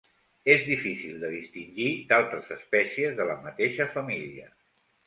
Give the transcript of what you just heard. És difícil de distingir d'altres espècies de la mateixa família.